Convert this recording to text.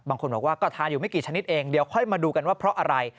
บางคนบอกว่าก็ทานอยู่ไม่กี่ชนิดเองเดี๋ยวค่อยมาดูกันว่าเพราะอะไร